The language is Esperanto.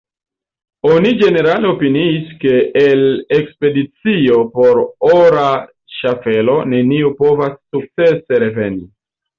Oni ĝenerale opiniis, ke el ekspedicio por ora ŝaffelo neniu povas sukcese reveni.